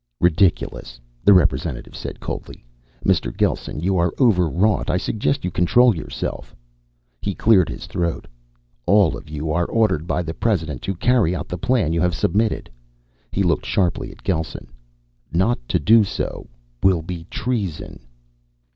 "Ridiculous," the representative said coldly. "Mr. Gelsen, you are overwrought. I suggest you control yourself." He cleared his throat. "All of you are ordered by the President to carry out the plan you have submitted." He looked sharply at Gelsen. "Not to do so will be treason."